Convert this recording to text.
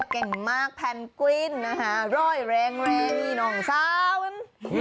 เก่งมากแผนกวิ้นรอยแรงนี่น้องซาวน